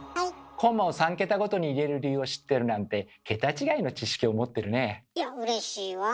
コンマを３桁ごとに入れる理由を知ってるなんていやうれしいわ。